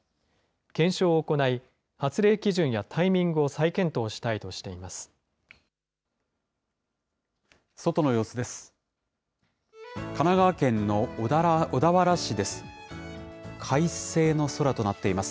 検証を行い、発令基準やタイミングを再検討したいとしています。